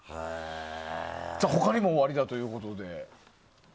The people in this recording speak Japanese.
他にもおありだということで。